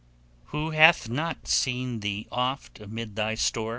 Who hath not seen thee oft amid thy store?